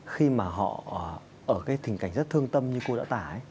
khi mà họ ở cái tình cảnh rất thương tâm như cô đã tải ấy